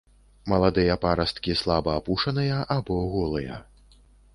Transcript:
Маладыя парасткі слаба апушаныя або голыя.